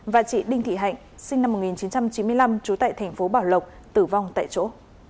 và chị đinh thị hạnh sinh năm một nghìn chín trăm chín mươi năm trú tại thành phố bảo lộc tử vong tại chỗ